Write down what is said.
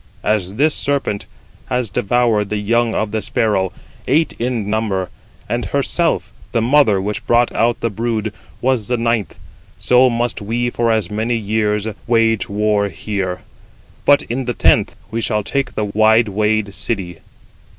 As this [serpent] has devoured the young of the sparrow, eight in number, and herself, the mother which brought out the brood, was the ninth, so must we for as many years 104 wage war here, but in the tenth we shall take the wide wayed city.